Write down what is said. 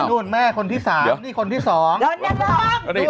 อ้าวนู่นแม่คนที่๓นี่คนที่๒